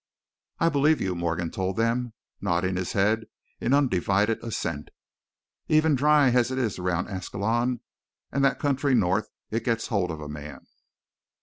"I believe you," Morgan told them, nodding his head in undivided assent. "Even dry as it is around Ascalon and that country north, it gets hold of a man."